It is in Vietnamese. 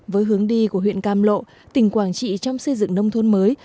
với hướng đi của huyện cam lộ tỉnh quảng trị trong xây dựng nông thôn mới